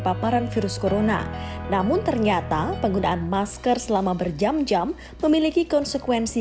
paparan virus corona namun ternyata penggunaan masker selama berjam jam memiliki konsekuensi